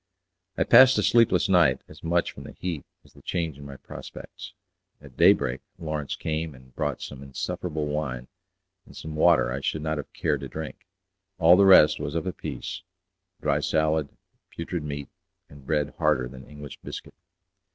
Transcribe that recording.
I passed a sleepless night, as much from the heat as the change in my prospects. At day break Lawrence came and brought some insufferable wine, and some water I should not have cared to drink. All the rest was of a piece; dry salad, putrid meat, and bread harder than English biscuit.